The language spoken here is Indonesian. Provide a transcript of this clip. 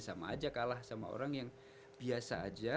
sama aja kalah sama orang yang biasa aja